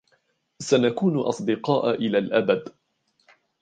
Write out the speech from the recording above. سنكون اصدقاء الى الابد.